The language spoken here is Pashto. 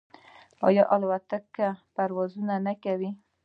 آیا الوتکې پروازونه نه کوي؟